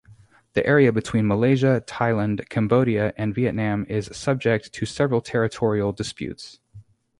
The area between Malaysia, Thailand, Cambodia, and Vietnam is subject to several territorial disputes.